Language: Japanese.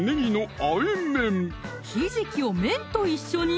ひじきを麺と一緒に？